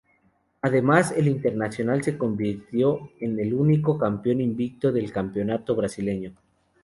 Además el Internacional se convirtió en el único campeón invicto del campeonato brasileño.